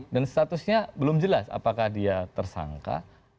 dan statusnya belum jelas apakah dia tersangka